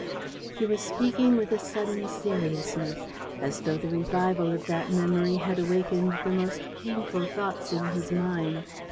He was speaking with a sudden seriousness, as though the revival of that memory had awakened the most painful thoughts in his mind.